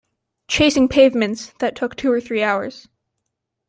Chasing Pavements, that took two or three hours.